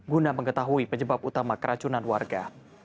guna mengetahui penyebab utama keracunan warga